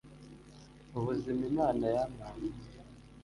ubuzima imana yampaye